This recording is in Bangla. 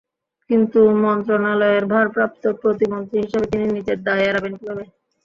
কিন্তু মন্ত্রণালয়ের ভারপ্রাপ্ত প্রতিমন্ত্রী হিসেবে তিনি নিজের দায় এড়াবেন কীভাবে?